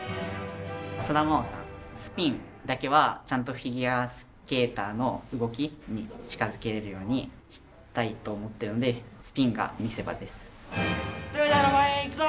スピンだけはちゃんとフィギュアスケーターの動きに近づけれるようにしたいと思っているので豊田ロボＡいくぞ！